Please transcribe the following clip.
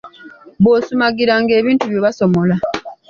Bw’osumagira ng’ebintu byo basomola.